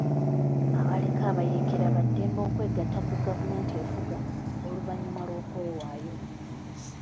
Abaaliko abayeekera baddembe okwegatta ku gavumenti efuga oluvannyuma lw'okwewaayo.